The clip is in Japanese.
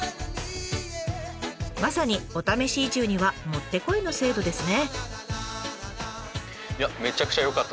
まさにお試し移住にはもってこいの制度ですね。